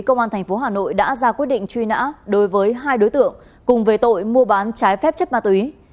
công an tp hà nội đã ra quyết định truy nã đối với hai đối tượng cùng về tội mua bán trái phép chất ma túy